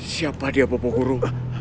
siapa dia bapak guru